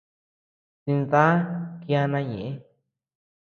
Dindá kiana ñeʼe.